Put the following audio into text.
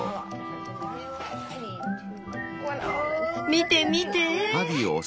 見て見て！